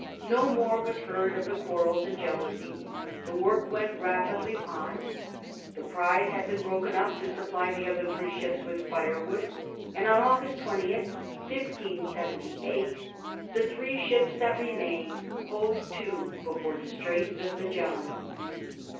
No more was heard of the quarrels and jealousy. The work went rapidly on : the prize had been broken up to supply the other three ships with firewood ; and on August 20th, 1578, the three ships that remained hove to before the Straits of Magellan.